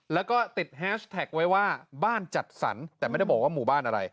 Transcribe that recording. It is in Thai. แล้วก็ติดแฮชแท็กไว้ว่าบ้านจัดสรรแต่ไม่ได้บอกว่าหมู่บ้านอะไร